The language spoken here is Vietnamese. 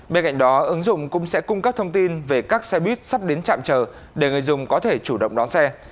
bên cạnh đó ứng dụng cũng sẽ cung cấp thông tin về các xe buýt sắp đến trạm chờ để người dùng có thể chủ động đón xe